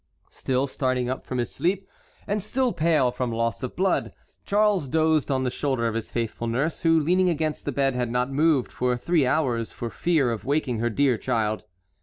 Still starting up from his sleep, and still pale from loss of blood, Charles dozed on the shoulder of his faithful nurse, who leaning against the bed had not moved for three hours for fear of waking her dear child.